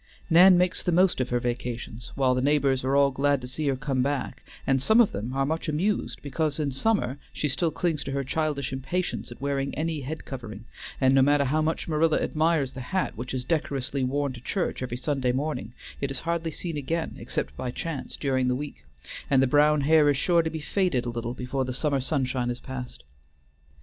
Nan makes the most of her vacations, while the neighbors are all glad to see her come back, and some of them are much amused because in summer she still clings to her childish impatience at wearing any head covering, and no matter how much Marilla admires the hat which is decorously worn to church every Sunday morning, it is hardly seen again, except by chance, during the week, and the brown hair is sure to be faded a little before the summer sunshine is past.